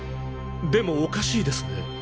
でもおかしいですね。